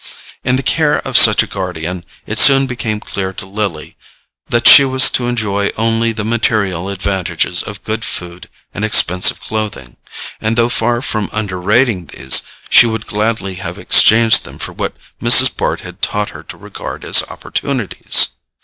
In the care of such a guardian, it soon became clear to Lily that she was to enjoy only the material advantages of good food and expensive clothing; and, though far from underrating these, she would gladly have exchanged them for what Mrs. Bart had taught her to regard as opportunities.